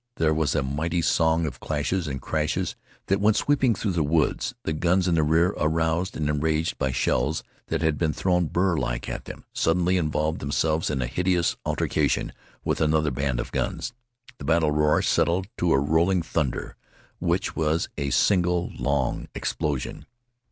There was a mighty song of clashes and crashes that went sweeping through the woods. The guns in the rear, aroused and enraged by shells that had been thrown burlike at them, suddenly involved themselves in a hideous altercation with another band of guns. The battle roar settled to a rolling thunder, which was a single, long explosion.